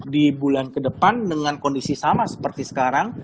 di bulan ke depan dengan kondisi sama seperti sekarang